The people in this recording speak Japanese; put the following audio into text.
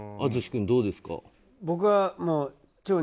淳君、どうですか。